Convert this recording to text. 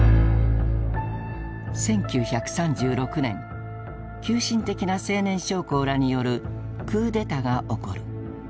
１９３６年急進的な青年将校らによるクーデタが起こる。